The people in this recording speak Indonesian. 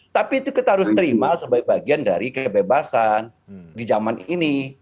tapi itu kita harus terima sebagai bagian dari kebebasan di zaman ini